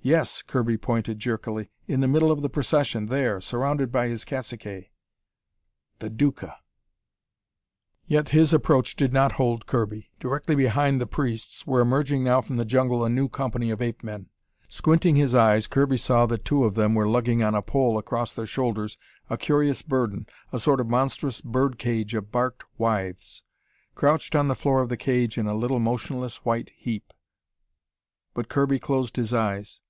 "Yes." Kirby pointed jerkily. "In the middle of the procession, there, surrounded by his caciques!" The Duca! Yet his approach did not hold Kirby. Directly behind the priests were emerging now from the jungle a new company of ape men. Squinting his eyes, Kirby saw that two of them were lugging on a pole across their shoulders a curious burden a sort of monstrous bird cage of barked withes. Crouched on the floor of the cage in a little motionless, white heap But Kirby closed his eyes.